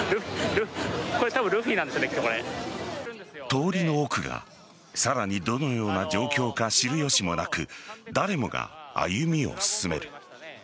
通りの奥がさらにどのような状況か知る由もなく誰もが歩みを進める。